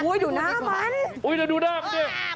โอ้โฮดูหน้ามันโอ้โฮแล้วดูหน้ามันเนี่ย